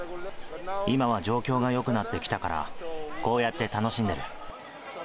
今は状況がよくなってきたから、こうやって楽しんでる。